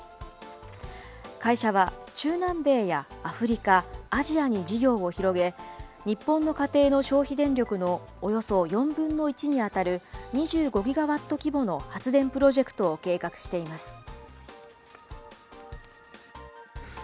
会社は、中南米やアフリカ、アジアに事業を広げ、日本の家庭の消費電力のおよそ４分の１にあたる２５ギガワット規模の発電プロジェクトを計画しています。